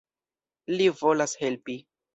Li volas helpi.